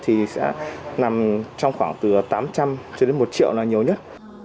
thì sẽ nằm trong khoảng từ tám trăm linh cho đến một triệu là nhiều nhất